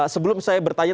sebelum saya bertanya